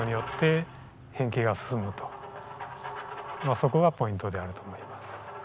そこがポイントであると思います。